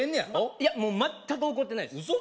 いや全く怒ってないです嘘